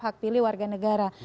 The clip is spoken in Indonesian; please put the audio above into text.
hak pilih warga negara